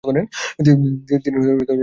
তিনি রামকৃষ্ণ সংঘে যোগ দেন।